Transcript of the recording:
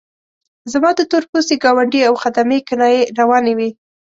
زما د تور پوستي ګاونډي او خدمې کنایې روانې وې.